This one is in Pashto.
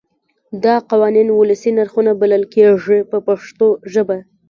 دا قوانین ولسي نرخونه بلل کېږي په پښتو ژبه.